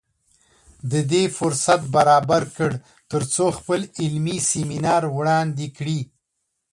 د دې فرصت برابر کړ تر څو خپل علمي سیمینار وړاندې کړي